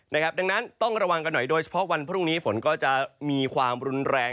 ดังนั้นต้องระวังกันหน่อยโดยเฉพาะวันพรุ่งนี้ฝนก็จะมีความรุนแรง